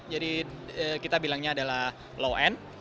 jadi kita bilangnya adalah low end